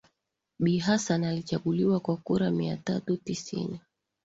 Bi Hassan alichaguliwa kwa kura mia tatu tisini